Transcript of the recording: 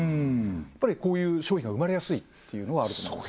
やっぱりこういう商品が生まれやすいっていうのはあると思います